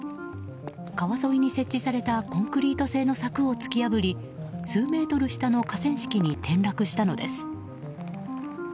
川沿いに設置されたコンクリート製の柵を突き破り数メートル下の河川敷に転落したのです。